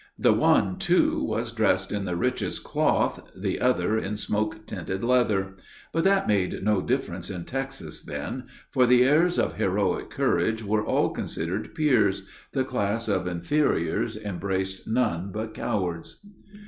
The one, too, was dressed in the richest cloth; the other in smoke tinted leather. But that made no difference in Texas then; for the heirs of heroic courage were all considered peers the class of inferiors embraced none but cowards.